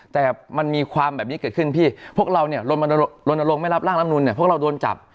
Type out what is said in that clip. แต่มันมีความแบบนี้เกิดขึ้นพี่พวกเราลงมาลงไม่รับร่างร่างรุนพวกเราโดนจับ